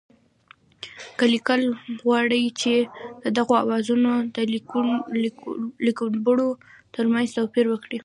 که لیکوال غواړي چې د دغو آوازونو د لیکبڼو ترمنځ توپیر وکړي